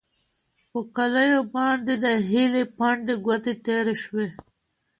پر کالیو باندې د هیلې پنډې ګوتې تېرې شوې.